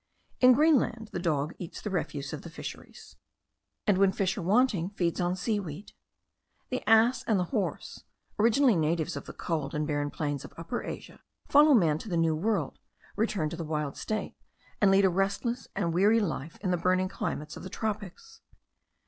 In Greenland the dog eats the refuse of the fisheries; and when fish are wanting, feeds on seaweed. The ass and the horse, originally natives of the cold and barren plains of Upper Asia, follow man to the New World, return to the wild state, and lead a restless and weary life in the burning climates of the tropics.